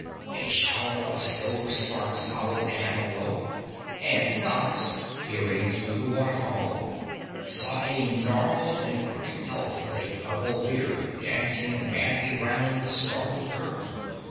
A shower of silver sparks followed the hammer blow, and Nox, peering through the waterfall saw a gnarled and crooked elf with a purple beard dancing madly round the startled girl.